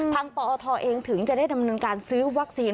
ปอทเองถึงจะได้ดำเนินการซื้อวัคซีน